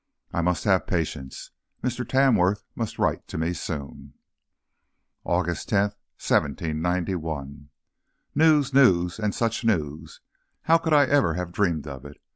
I must have patience. Mr. Tamworth must write to me soon. AUGUST 10, 1791. News, news, and such news! How could I ever have dreamed of it!